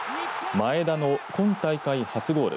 前田の今大会、初ゴール。